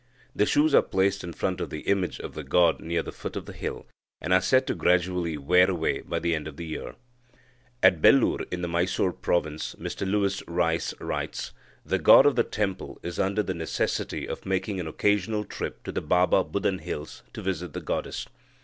The shoes are placed in front of the image of the god near the foot of the hill, and are said to gradually wear away by the end of the year. "At Belur in the Mysore Province," Mr Lewis Rice writes, "the god of the temple is under the necessity of making an occasional trip to the Baba Budan hills to visit the goddess.